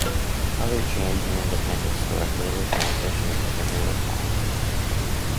Other chains and independent stores later transitioned to the newer format.